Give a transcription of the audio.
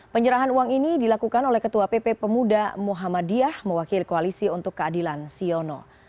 penyerahan uang ini dilakukan oleh ketua pp pemuda muhammadiyah mewakili koalisi untuk keadilan siono